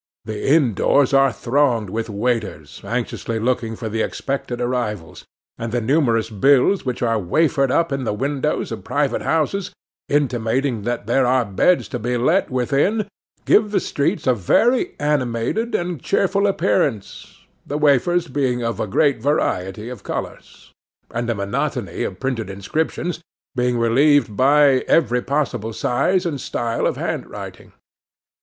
The inn doors are thronged with waiters anxiously looking for the expected arrivals; and the numerous bills which are wafered up in the windows of private houses, intimating that there are beds to let within, give the streets a very animated and cheerful appearance, the wafers being of a great variety of colours, and the monotony of printed inscriptions being relieved by every possible size and style of hand writing.